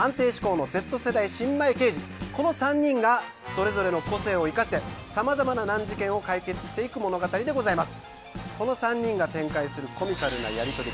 この３人がそれぞれの個性を生かして様々な難事件を解決していく物語でございます。